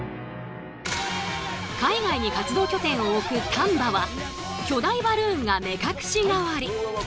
海外に活動拠点を置くＴａｎＢＡは巨大バルーンが目隠し代わり。